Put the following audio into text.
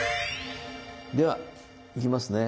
ではいきますね。